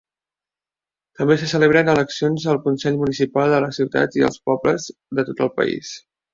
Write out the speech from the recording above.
També se celebren eleccions al consell municipal de les ciutats i els pobles de tot el país.